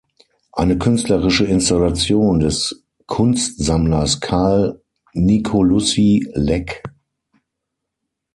Eine künstlerische Installation des Kunstsammlers Karl Nicolussi-Leck.